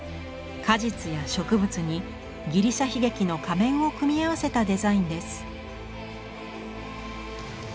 果実や植物にギリシャ悲劇の仮面を組み合わせたデザインです。